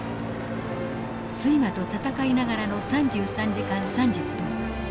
睡魔と戦いながらの３３時間３０分。